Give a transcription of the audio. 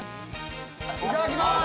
いただきまーす。